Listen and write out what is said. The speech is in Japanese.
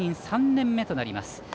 ３年目となります。